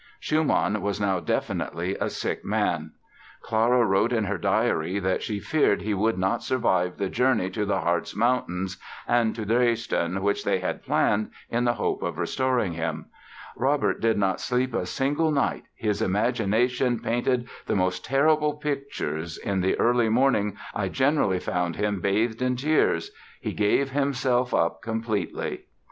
Schumann was now definitely a sick man. Clara wrote in her diary that she feared he would not survive the journey to the Harz mountains and to Dresden which they had planned in the hope of restoring him; "Robert did not sleep a single night, his imagination painted the most terrible pictures, in the early morning I generally found him bathed in tears, he gave himself up completely".